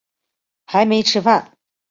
还没吃饭